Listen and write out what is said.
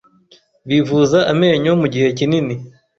bivuza amenyo mu gihe kinini